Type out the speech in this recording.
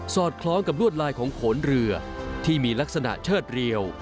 อดคล้องกับลวดลายของโขนเรือที่มีลักษณะเชิดเรียว